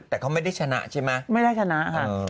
แต่เขาไม่ได้ชนะใช่ไหมไม่ได้ชนะค่ะ